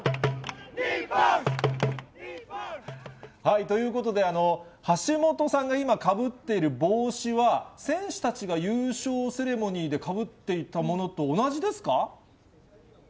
日本！ということで、橋本さんが今、かぶっている帽子は、選手たちが優勝セレモニーでかぶっていたものと同じですか？